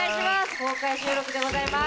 公開収録でございます。